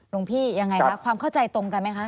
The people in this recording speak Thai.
หลวงพี่ยังไงคะความเข้าใจตรงกันไหมคะ